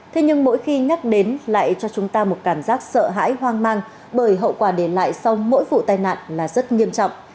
thế nhưng mỗi khi nhắc đến lại cho chúng ta một cảm giác sợ hãi hoang mang bởi hậu quả để lại sau mỗi vụ tai nạn là rất nghiêm trọng